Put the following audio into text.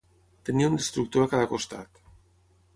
Tenia un destructor a cada costat.